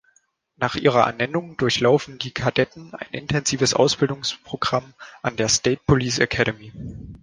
Nach ihrer Ernennung durchlaufen die Kadetten ein intensives Ausbildungsprogramm an der State Police Academy.